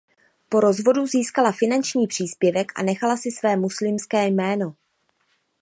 Po rozvodu získala finanční příspěvek a nechala si své muslimské jméno.